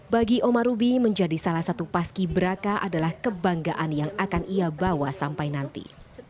bagi oma rubi menjadi salah satu paski beraka adalah kebanggaan yang akan ia bawa sampai nanti